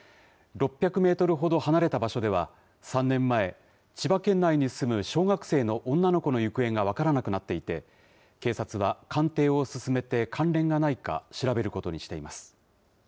６００メートルほど離れた場所では、３年前、千葉県内に住む小学生の女の子の行方が分からなくなっていて、警察は鑑定を進めて、関連がないか調べることにしています。